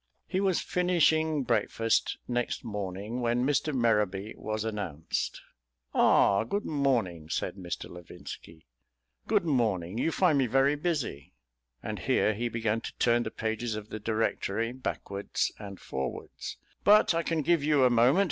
He was finishing breakfast next morning when Mr. Merrowby was announced. "Ah, good morning," said Mr. Levinski, "good morning. You find me very busy," and here he began to turn the pages of the Directory backwards and forwards, "but I can give you a moment.